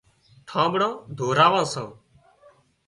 ٺانٻڙان ڌوراوان سان